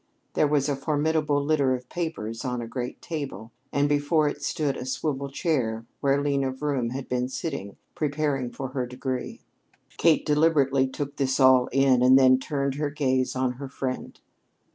There was a formidable litter of papers on a great table, and before it stood a swivel chair where Lena Vroom had been sitting preparing for her degree. Kate deliberately took this all in and then turned her gaze on her friend.